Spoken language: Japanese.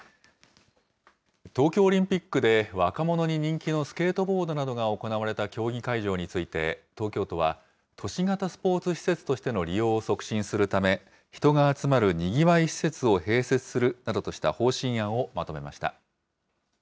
東京オリンピックで若者に人気のスケートボードなどが行われた競技会場について、東京都は、都市型スポーツ施設としての利用を促進するため、人が集まるにぎわい施設を併設するなどとした方針案をまとめました。